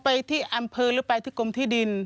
ไปที่อำเภอหรือไปที่กรมที่ดิน